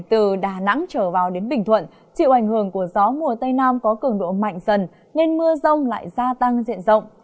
từ đà nẵng trở vào đến bình thuận chịu ảnh hưởng của gió mùa tây nam có cường độ mạnh dần nên mưa rông lại gia tăng diện rộng